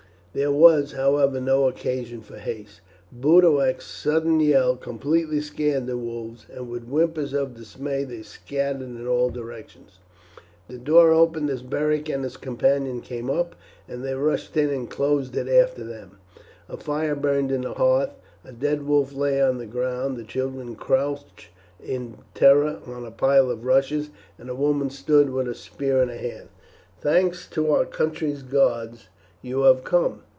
There was, however, no occasion for haste. Boduoc's sudden yell completely scared the wolves, and with whimpers of dismay they scattered in all directions. The door opened as Beric and his companion came up, and they rushed in and closed it after them. A fire burned on the hearth. A dead wolf lay on the ground, the children crouched in terror on a pile of rushes, and a woman stood with a spear in her hand. "Thanks to our country's gods you have come!"